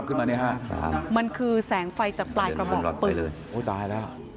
ขึ้นมานี่ค่ะมันคือแสงไฟจากปลายกระหม่อปึ๊บ